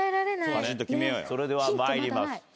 それでは参ります。